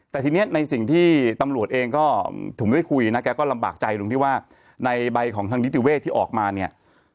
แต่ทีนี้ในสิ่งที่ตำรวจเองก็ถึงได้คุยนะแกก็ลำบากใจตรงที่ว่าในใบของทางนิติเวศที่ออกมาเนี่ย